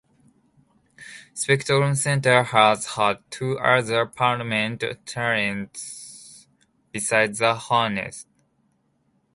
Spectrum Center has had two other permanent tenants besides the Hornets.